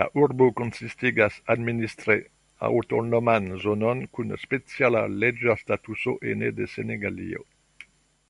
La urbo konsistigas administre aŭtonoman zonon kun speciala leĝa statuso ene de Senegalio.